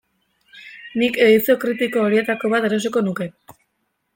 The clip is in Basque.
Nik edizio kritiko horietako bat erosiko nuke.